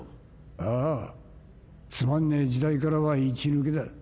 ああつまんねえ時代からはいち抜けだ。